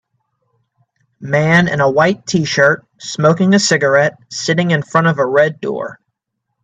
Man in a white tshirt, smoking a cigarette, sitting in front of a red door.